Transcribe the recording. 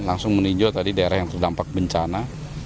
langsung meninjau tadi daerah yang terdampak bencana